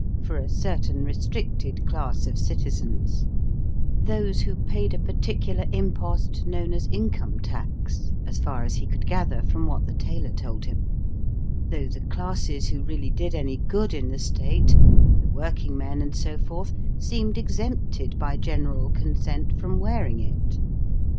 for a certain restricted class of citizens those who paid a particular impost known as income tax, as far as he could gather from what the tailor told him: though the classes who really did any good in the state, the working men and so forth, seemed exempted by general consent from wearing it.